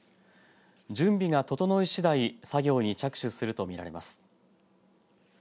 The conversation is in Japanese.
準備が整いしだい作業に着手すると見られます。